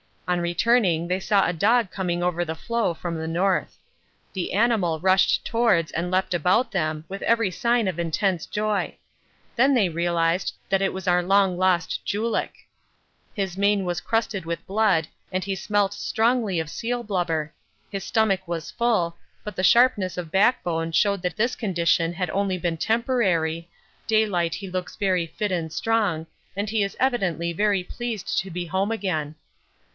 On returning they saw a dog coming over the floe from the north. The animal rushed towards and leapt about them with every sign of intense joy. Then they realised that it was our long lost Julick. His mane was crusted with blood and he smelt strongly of seal blubber his stomach was full, but the sharpness of back bone showed that this condition had only been temporary, daylight he looks very fit and strong, and he is evidently very pleased to be home again.